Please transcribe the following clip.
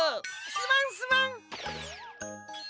すまんすまん。